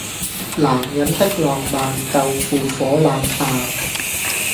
男人的浪漫，豆腐火腩飯